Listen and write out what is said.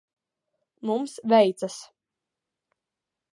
Mums veicas.